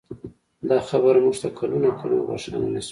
دا خبره موږ ته کلونه کلونه روښانه نه شوه.